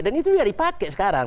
dan itu sudah dipakai sekarang